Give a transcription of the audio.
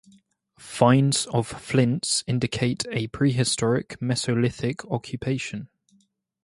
Finds of flints indicate a prehistoric Mesolithic occupation.